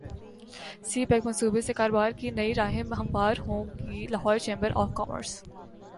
سی pack منصوبے سے کاروبار کی نئی راہیں ہموار ہوں گی لاہور چیمبر اف کامرس